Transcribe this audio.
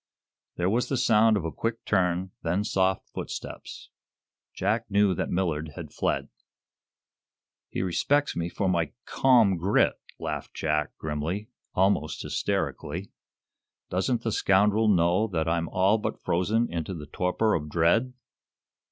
There was the sound of a quick turn, then soft footsteps. Jack knew that Millard had fled. "He respects me for my 'calm grit'!" laughed Jack, grimly almost hysterically. "Doesn't the scoundrel know that I'm all but frozen into the torpor of dread?"